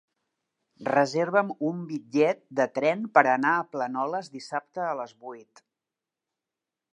Reserva'm un bitllet de tren per anar a Planoles dissabte a les vuit.